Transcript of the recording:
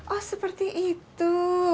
oh seperti itu